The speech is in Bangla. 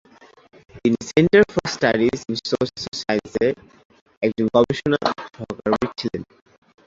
তিনি Centre for Studies in Social সায়েন্সে একজন গবেষণা সহকর্মী ছিলেন।